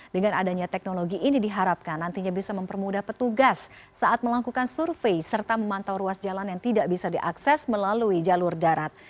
dengan adanya teknologi ini diharapkan nantinya bisa mempermudah petugas saat melakukan survei serta memantau ruas jalan yang tidak bisa diakses melalui jalur darat